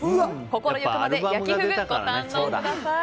心行くまで焼きフグ、ご堪能ください。